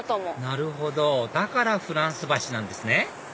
なるほどだからフランス橋なんですね